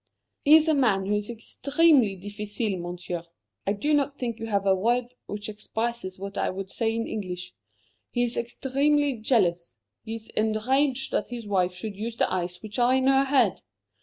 "He is a man who is extremely difficile, Monsieur. I do not think you have a word which expresses what I would say in English. He is extremely jealous; he is enraged that his wife should use the eyes which are in her head!